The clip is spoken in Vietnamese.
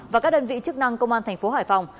và các đơn vị chức năng công an thành phố hải phòng